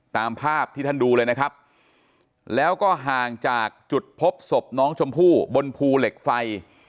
ตามภาพที่ท่านดูเลยนะครับแล้วก็ห่างจากจุดพบศพน้องชมพู่บนภูเหล็กไฟ